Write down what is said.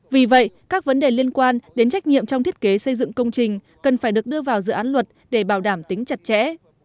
vì vậy các vấn đề liên quan đến trách nhiệm trong thiết kế xây dựng công trình cần phải được đưa vào dự án luật để bảo đảm tính chặt chẽ